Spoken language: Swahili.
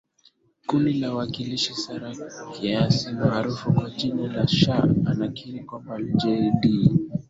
Kundi la Wakilisha Sara Kiasi maarufu kwa jina la Shaa anakiri kwamba Jay Dee